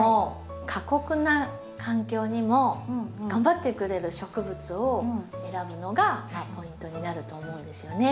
過酷な環境にも頑張ってくれる植物を選ぶのがポイントになると思うんですよね。